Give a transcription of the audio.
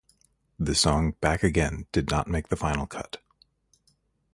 The song, "Back Again", did not make the final cut.